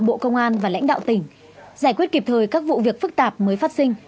bộ công an và lãnh đạo tỉnh giải quyết kịp thời các vụ việc phức tạp mới phát sinh